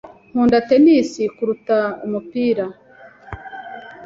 Nkunda tennis kuruta umupira. (lukaszpp)